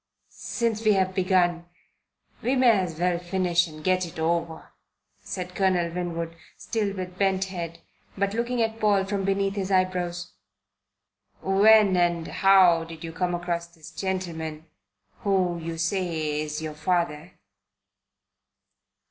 "Since we've begun, we may as well finish and get it over," said Colonel Winwood, still with bent head, but looking at Paul from beneath his eyebrows. "When and how did you come across this gentleman who you say is your father?"